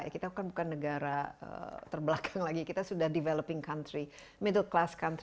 kita kan bukan negara terbelakang lagi kita sudah developing country middle class country